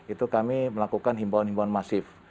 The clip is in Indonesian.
itu kami melakukan himbauan himbauan masif